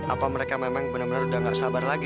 apa mereka memang benar benar udah gak sabar lagi